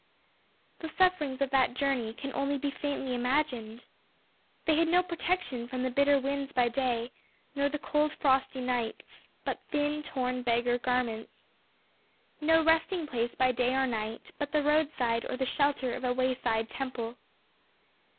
The sufferings of that journey can only be faintly imagined. They had no protection from the bitter winds by day, nor the cold frosty nights, but thin, torn, beggar garments. No resting place by day or night, but the roadside or the shelter of a wayside temple.